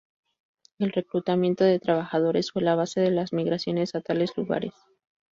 El reclutamiento de trabajadores fue la base de las migraciones a tales lugares.